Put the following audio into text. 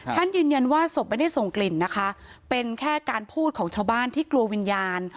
ท่านยืนยันว่าศพไม่ได้ส่งกลิ่นนะคะเป็นแค่การพูดของชาวบ้านที่กลัววิญญาณ